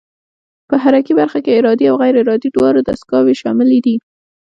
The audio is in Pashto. په حرکي برخه کې ارادي او غیر ارادي دواړه دستګاوې شاملې دي.